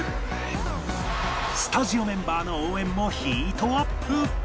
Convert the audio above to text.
スタジオメンバーの応援もヒートアップ！